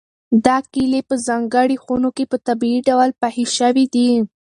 دا کیلې په ځانګړو خونو کې په طبیعي ډول پخې شوي دي.